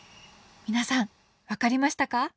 皆さん分かりましたか？